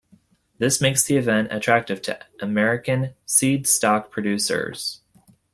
This makes the event attractive to American "seedstock producers".